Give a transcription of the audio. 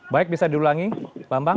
baik bisa diulangi bambang